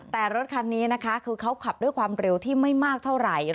แต่รถคันนี้นะคะคือเขาขับด้วยความเร็วที่ไม่มากเท่าไหร่